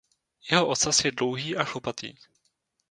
Jeho ocas je dlouhý a chlupatý.